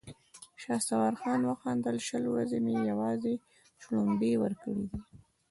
شهسوار خان وخندل: شل ورځې مې يواځې شړومبې ورکړې دي!